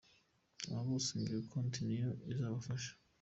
Abo bose ngo iyo konti niyo izabafasha.